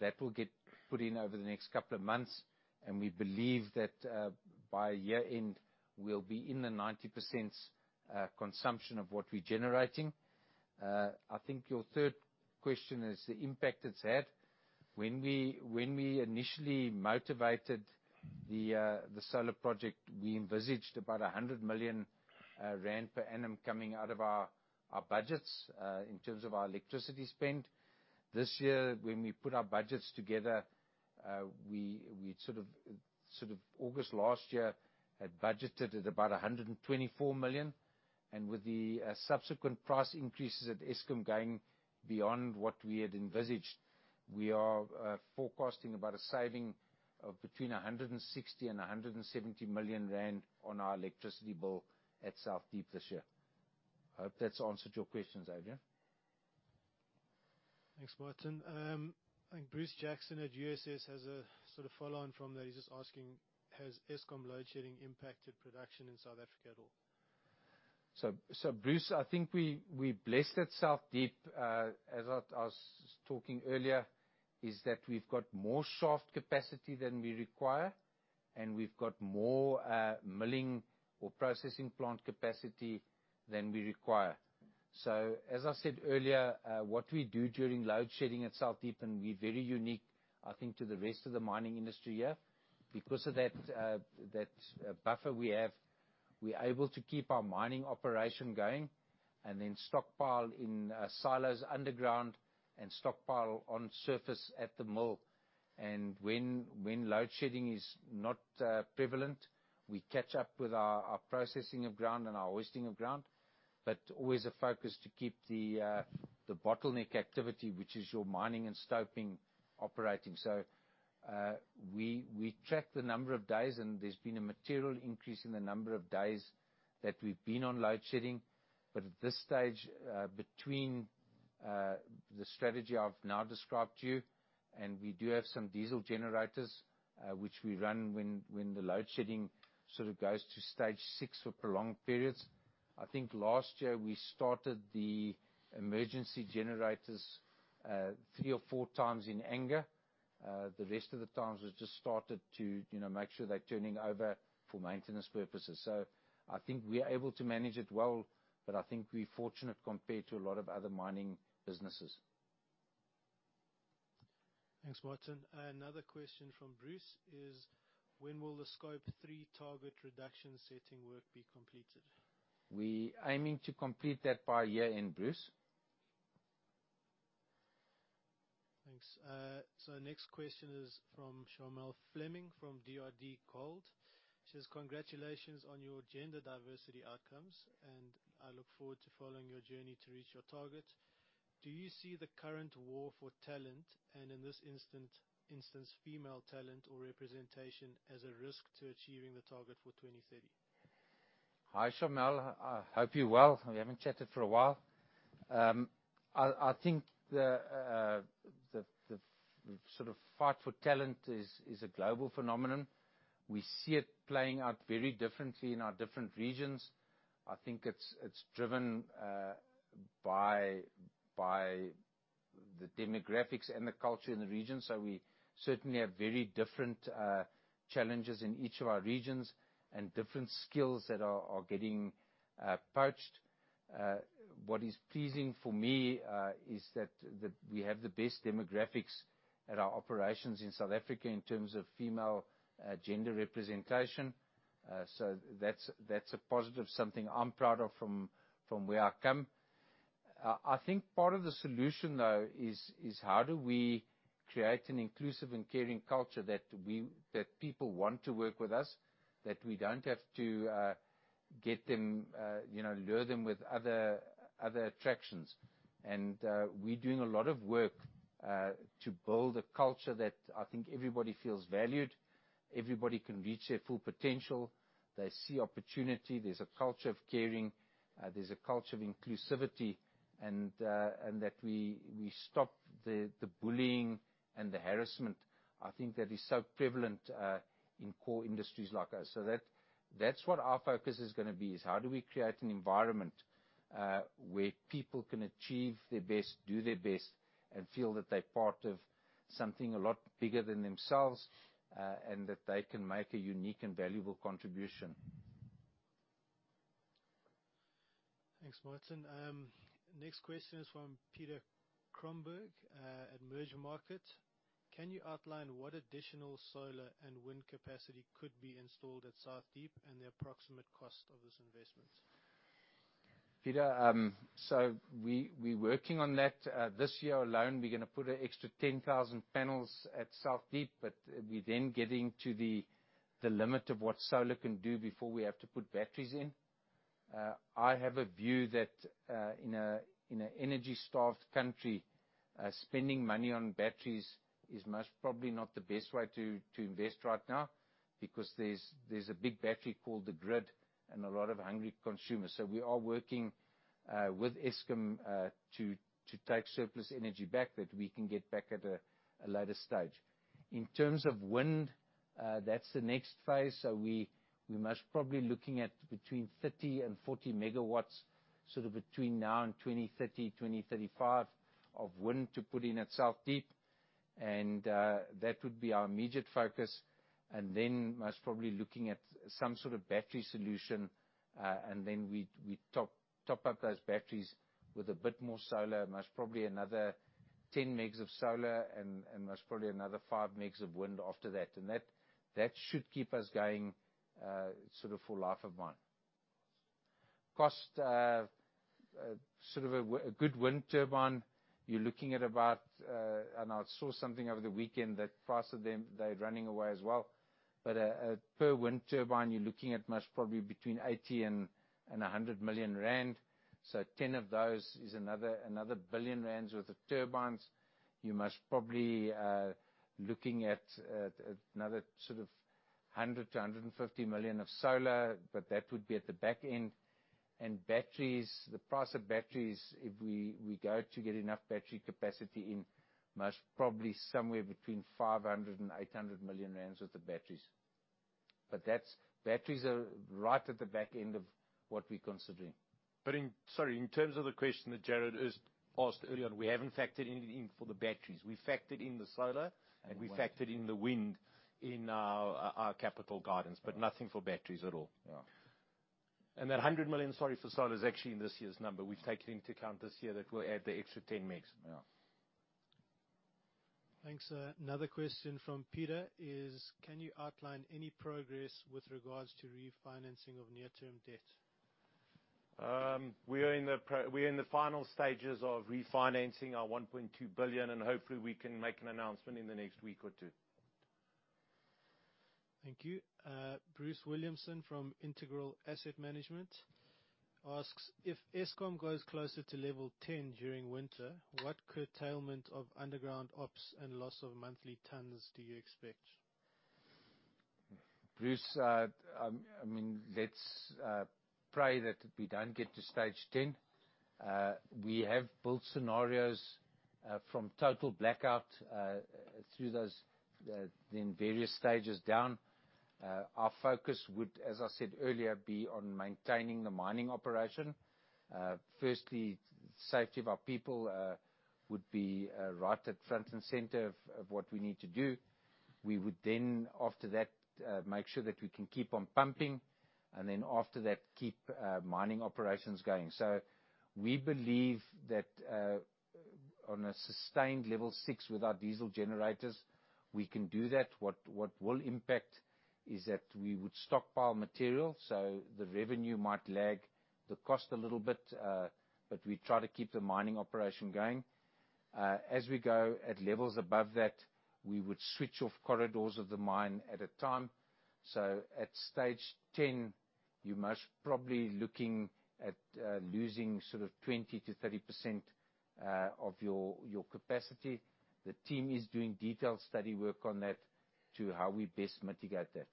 That will get put in over the next couple of months and we believe that by year-end we'll be in the 90% consumption of what we're generating. I think your third question is the impact it's had. When we initially motivated the solar project, we envisaged about 100 million rand per annum coming out of our budgets in terms of our electricity spend. This year when we put our budgets together, we'd sort of August last year had budgeted at about 124 million. With the subsequent price increases at Eskom going beyond what we had envisaged, we are forecasting about a saving of between 160 million and 170 million rand on our electricity bill at South Deep this year. I hope that's answered your questions, Adrian. Thanks, Martin. Bruce Jackson at UBS has a sort of follow on from that. He's just asking, "Has Eskom load shedding impacted production in South Africa at all? Bruce, I think we blessed at South Deep, as I was talking earlier, is that we've got more shaft capacity than we require, and we've got more milling or processing plant capacity than we require. As I said earlier, what we do during load shedding at South Deep, and we're very unique, I think, to the rest of the mining industry here, because of that buffer we have, we're able to keep our mining operation going and then stockpile in silos underground and stockpile on surface at the mill. When load shedding is not prevalent, we catch up with our processing of ground and our hoisting of ground, but always a focus to keep the bottleneck activity, which is your mining and stoping, operating. We, we track the number of days, and there's been a material increase in the number of days that we've been on load shedding. At this stage, between, the strategy I've now described to you, and we do have some diesel generators, which we run when the load shedding sort of goes to stage 6 for prolonged periods. I think last year we started the emergency generators, 3 or 4 times in anger. The rest of the times we've just started to, you know, make sure they're turning over for maintenance purposes. I think we are able to manage it well, but I think we're fortunate compared to a lot of other mining businesses. Thanks, Martin. Another question from Bruce is, "When will the Scope 3 target reduction setting work be completed? We aiming to complete that by year-end, Bruce. Thanks. Next question is from Charmel Fleming from DRDGold. She says, "Congratulations on your gender diversity outcomes, and I look forward to following your journey to reach your target. Do you see the current war for talent, and in this instance, female talent or representation, as a risk to achieving the target for 2030? Hi, Charmel. I hope you're well. We haven't chatted for a while. I think the sort of fight for talent is a global phenomenon. We see it playing out very differently in our different regions. I think it's driven by the demographics and the culture in the region. We certainly have very different challenges in each of our regions and different skills that are getting poached. What is pleasing for me is that we have the best demographics at our operations in South Africa in terms of female gender representation. That's a positive, something I'm proud of from where I come. I think part of the solution, though, is how do we create an inclusive and caring culture that people want to work with us, that we don't have to, get them, you know, lure them with other attractions. We're doing a lot of work, to build a culture that I think everybody feels valued, everybody can reach their full potential. They see opportunity. There's a culture of caring, there's a culture of inclusivity, and that we stop the bullying and the harassment, I think that is so prevalent, in core industries like us. That's what our focus is gonna be, is how do we create an environment where people can achieve their best, do their best, and feel that they're part of something a lot bigger than themselves, and that they can make a unique and valuable contribution. Thanks, Martin. Next question is from Peter Cromberge, at Mergermarket. Can you outline what additional solar and wind capacity could be installed at South Deep and the approximate cost of this investment? Peter, we working on that. This year alone, we're gonna put an extra 10,000 panels at South Deep, but we're then getting to the limit of what solar can do before we have to put batteries in. I have a view that, in an energy-starved country, spending money on batteries is most probably not the best way to invest right now, because there's a big battery called the grid and a lot of hungry consumers. We are working with Eskom, to take surplus energy back that we can get back at a later stage. In terms of wind, that's the next phase. We most probably looking at between 30 and 40 megawatts, sort of between now and 2030, 2035 of wind to put in at South Deep. That would be our immediate focus. Then most probably looking at some sort of battery solution, and then we'd top up those batteries with a bit more solar, most probably another 10 megs of solar and most probably another 5 megs of wind after that. That should keep us going, sort of for life of mine. Cost, sort of a good wind turbine, you're looking at about... I saw something over the weekend that prices them, they're running away as well. A per wind turbine, you're looking at most probably between 80 and 100 million rand. So 10 of those is another 1 billion rand worth of turbines. You're most probably looking at another sort of $100 million-$150 million of solar, but that would be at the back end. Batteries, the price of batteries, if we go to get enough battery capacity in, most probably somewhere between 500 million-800 million rand worth of batteries. That's. Batteries are right at the back end of what we're considering. Sorry, in terms of the question that Jared has asked earlier on, we haven't factored anything for the batteries. We factored in the solar. Wind. We factored in the wind in our capital guidance, but nothing for batteries at all. Yeah. That 100 million, sorry, for solar is actually in this year's number. We've taken into account this year that we'll add the extra 10 megs. Yeah. Thanks. Another question from Peter is, can you outline any progress with regards to refinancing of near-term debt? We're in the final stages of refinancing our $1.2 billion. Hopefully we can make an announcement in the next week or two. Thank you. Bruce Williamson from Integral Asset Management asks, if Eskom goes closer to level 10 during winter, what curtailment of underground ops and loss of monthly tons do you expect? Bruce, let's pray that we don't get to stage 10. We have built scenarios from total blackout through those various stages down. Our focus would, as I said earlier, be on maintaining the mining operation. Firstly, safety of our people would be right at front and center of what we need to do. We would then, after that, make sure that we can keep on pumping, after that, keep mining operations going. We believe that on a sustained level six with our diesel generators, we can do that. What will impact is that we would stockpile material, so the revenue might lag the cost a little bit, but we try to keep the mining operation going. As we go at levels above that, we would switch off corridors of the mine at a time. At stage 10, you're most probably looking at losing sort of 20%-30% of your capacity. The team is doing detailed study work on that to how we best mitigate that.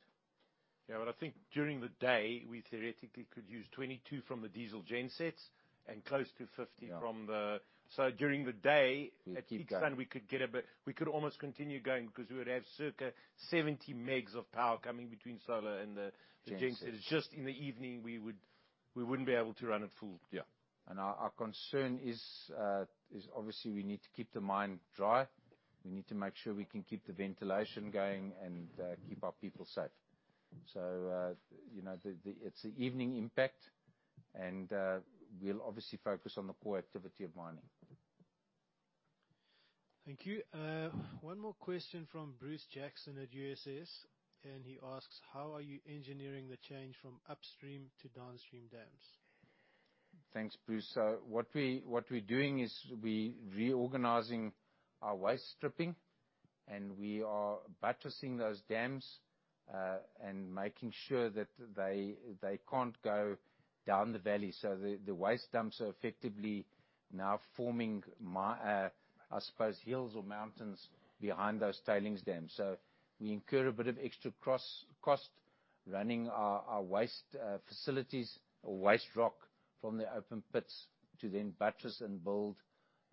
Yeah, I think during the day, we theoretically could use 22 from the diesel gensets and close to Yeah from the... During the day. We keep going. At peak time, we could almost continue going because we would have circa 70 MW of power coming between solar and the gensets. Gensets. It's just in the evening we would, we wouldn't be able to run it full. Yeah. Our, our concern is obviously we need to keep the mine dry. We need to make sure we can keep the ventilation going and keep our people safe. You know, it's the evening impact, and we'll obviously focus on the core activity of mining. Thank you. One more question from Bruce Jackson at UBS, he asks: how are you engineering the change from upstream to downstream dams? Thanks, Bruce. What we're doing is we're reorganizing our waste stripping, and we are buttressing those dams, and making sure that they can't go down the valley. The waste dumps are effectively now forming my, I suppose, hills or mountains behind those tailings dams. We incur a bit of extra cost running our waste facilities or waste rock from the open pits to then buttress and build,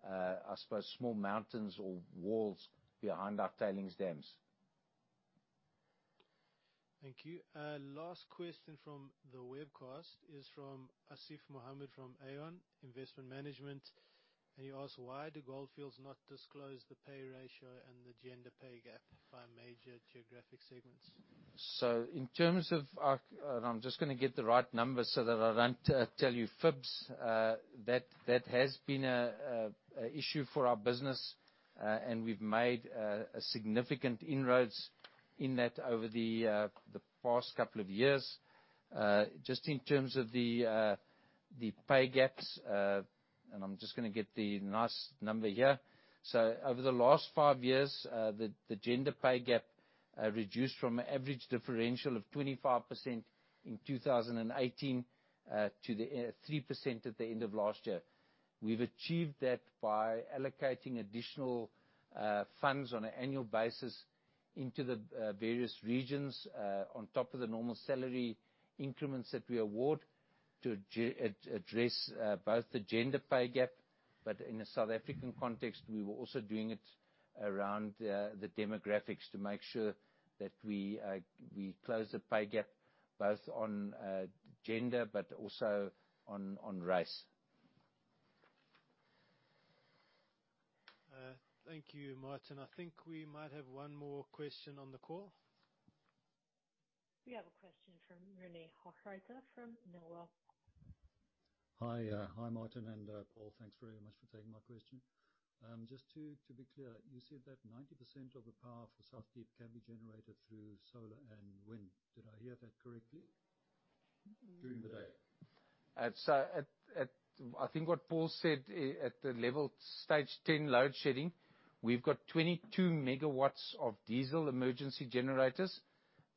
I suppose small mountains or walls behind our tailings dams. Thank you. Last question from the webcast is from Asief Mohamed from Aeon Investment Management. He asks: why do Gold Fields not disclose the pay ratio and the gender pay gap by major geographic segments? In terms of our... I'm just gonna get the right numbers so that I don't tell you fibs. That has been a issue for our business. We've made a significant inroads in that over the past couple of years. Just in terms of the pay gaps, I'm just gonna get the nice number here. Over the last five years, the gender pay gap reduced from an average differential of 25% in 2018 to the 3% at the end of last year. We've achieved that by allocating additional funds on an annual basis into the various regions, on top of the normal salary increments that we award to address both the gender pay gap. In a South African context, we were also doing it around the demographics to make sure that we close the pay gap both on gender but also on race. Thank you, Martin. I think we might have 1 more question on the call. We have a question from René Hochreiter from NOAH Capital Markets. Hi, hi, Martin and Paul. Thanks very much for taking my question. Just to be clear, you said that 90% of the power for South Deep can be generated through solar and wind. Did I hear that correctly? During the day. At, I think what Paul said, at the level stage 10 load shedding, we've got 22 megawatts of diesel emergency generators.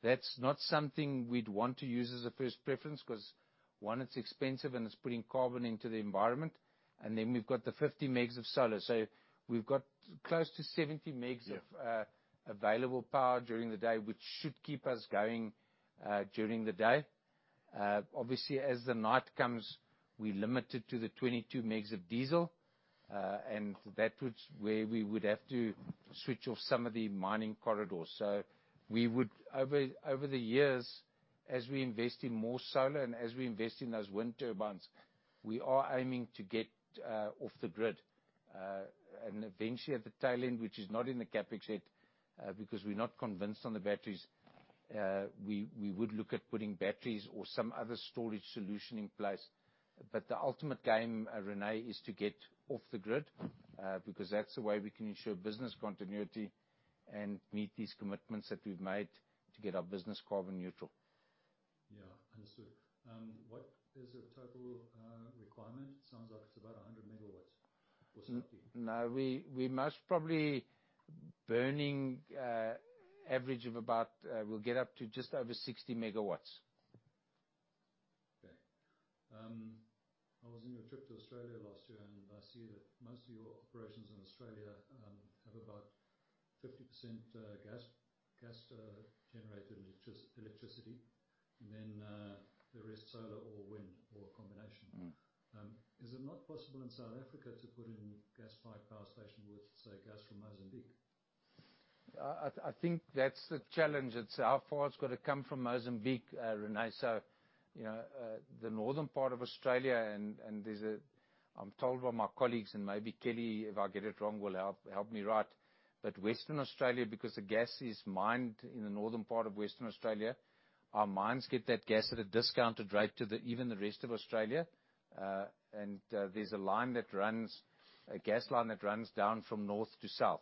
That's not something we'd want to use as a first preference, 'cause, one, it's expensive and it's putting carbon into the environment. Then we've got the 50 megs of solar. We've got close to 70 megs. Yeah. available power during the day, which should keep us going, during the day. Obviously, as the night comes, we're limited to the 22 megs of diesel, and that was where we would have to switch off some of the mining corridors. We would over the years, as we invest in more solar and as we invest in those wind turbines, we are aiming to get off the grid. Eventually at the tail end, which is not in the CapEx yet, because we're not convinced on the batteries, we would look at putting batteries or some other storage solution in place. The ultimate game, Rene, is to get off the grid, because that's the way we can ensure business continuity and meet these commitments that we've made to get our business carbon neutral. Yeah. Understood. What is the total requirement? It sounds like it's about 100 megawatts for South Deep. No, we're most probably burning, average of about, we'll get up to just over 60 megawatts. Okay. I was in your trip to Australia last year, and I see that most of your operations in Australia have about 50% gas generated electricity. The rest solar or wind or a combination. Is it not possible in South Africa to put in gas pipe power station with, say, gas from Mozambique? I think that's the challenge. It's how far it's gotta come from Mozambique, René. You know, the northern part of Australia. I'm told by my colleagues, and maybe Kelly, if I get it wrong, will help me right. Western Australia, because the gas is mined in the northern part of Western Australia, our mines get that gas at a discounted rate to even the rest of Australia. There's a line that runs, a gas line that runs down from north to south.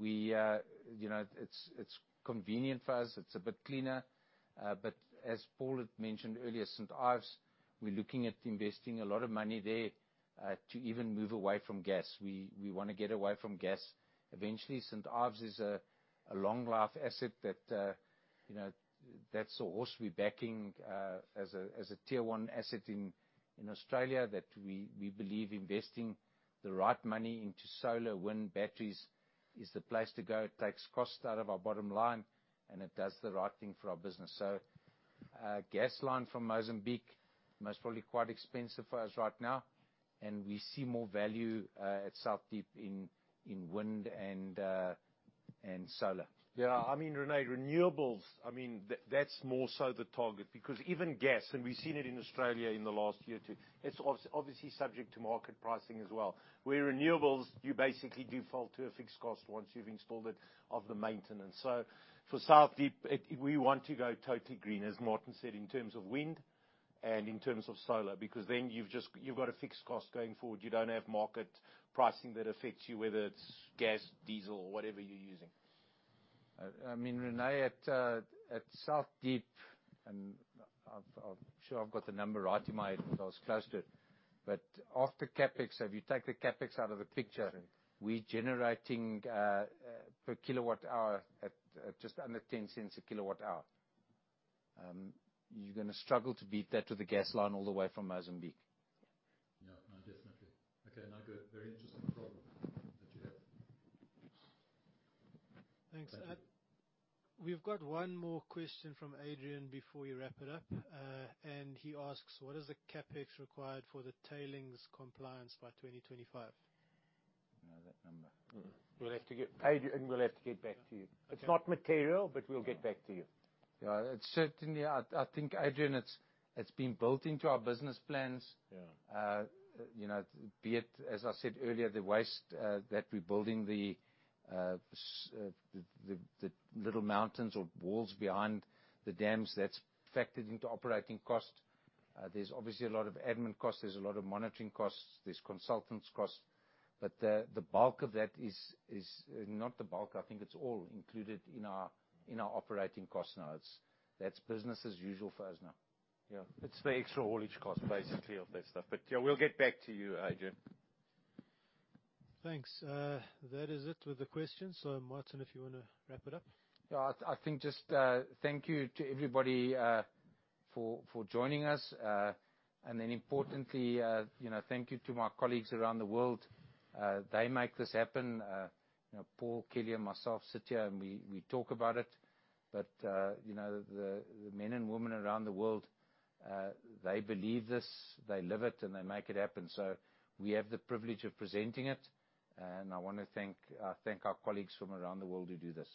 We, you know, it's convenient for us. It's a bit cleaner. As Paul had mentioned earlier, St. Ives, we're looking at investing a lot of money there to even move away from gas. We wanna get away from gas eventually. Ives is a long life asset that, you know, that's a horse we're backing as a tier one asset in Australia that we believe investing the right money into solar, wind, batteries is the place to go. It takes cost out of our bottom line, and it does the right thing for our business. Gas line from Mozambique, most probably quite expensive for us right now, and we see more value at South Deep in wind and solar. Yeah. I mean, René, renewables, I mean, that's more so the target because even gas, and we've seen it in Australia in the last year or two, it's obviously subject to market pricing as well, where renewables, you basically do fall to a fixed cost once you've installed it of the maintenance. For South Deep, we want to go totally green, as Martin said, in terms of wind and in terms of solar, because then you've got a fixed cost going forward. You don't have market pricing that affects you, whether it's gas, diesel, or whatever you're using. I mean, René, at South Deep, and Sure I've got the number right in my head, but I was close to it. Off the CapEx, if you take the CapEx out of the picture. Sure. we're generating per kilowatt hour at just under $0.10 a kilowatt hour. You're gonna struggle to beat that with a gas line all the way from Mozambique. Yeah. No, definitely. Okay, no, good. Very interesting problem that you have. Thanks. We've got one more question from Adrian before we wrap it up. He asks, "What is the CapEx required for the tailings compliance by 2025? You know that number? Adrian, we'll have to get back to you. It's not material. We'll get back to you. Yeah. It's certainly, I think Adrian, it's been built into our business plans. Yeah. you know, be it, as I said earlier, the waste, that we're building the little mountains or walls behind the dams, that's factored into operating cost. There's obviously a lot of admin costs, there's a lot of monitoring costs, there's consultants costs. The bulk of that, I think it's all included in our, in our operating costs now. It's, that's business as usual for us now. Yeah. It's the extra haulage cost basically of that stuff. Yeah, we'll get back to you, Adrian. Thanks. That is it with the questions. Martin, if you wanna wrap it up. Yeah. I think just, thank you to everybody, for joining us. Importantly, you know, thank you to my colleagues around the world. They make this happen. You know, Paul, Kelly, and myself sit here, and we talk about it, but, you know, the men and women around the world, they believe this, they live it, and they make it happen. We have the privilege of presenting it, and I wanna thank our colleagues from around the world who do this.